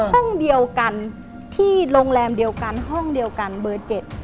ห้องเดียวกันที่โรงแรมเดียวกันห้องเดียวกันเบอร์๗